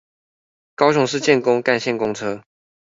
高雄市建工幹線公車